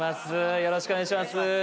よろしくお願いします